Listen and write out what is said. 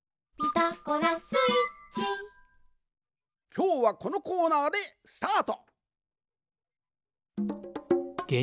きょうはこのコーナーでスタート！